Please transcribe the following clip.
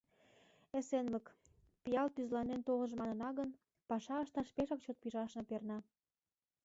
Эсенлык, пиал тӱзланен толжо манына гын, паша ышташ пешак чот пижашна перна.